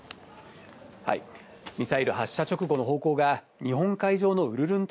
ミサイル発射直後の方向が日本海上のウルルン